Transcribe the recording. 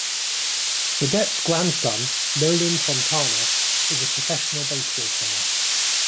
Burdette's grandson, Nolan Fontana, is a professional baseball player.